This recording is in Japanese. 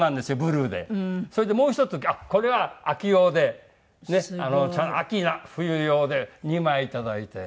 それでもう１つこれは秋用で秋冬用で２枚いただいて。